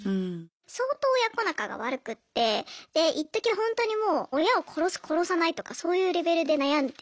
相当親子仲が悪くってでいっときほんとにもう親を殺す殺さないとかそういうレベルで悩んで。